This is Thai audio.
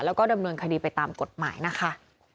แล้วก็ดำเนินคดีไปตามกฎหมายนะคะ